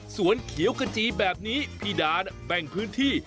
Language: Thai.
สวนเขียวกระจีแบบนี้พี่ดาแบ่งพื้นที่